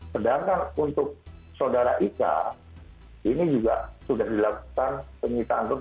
sedangkan untuk sodara ica ini juga sudah dilakukan penyitaan grup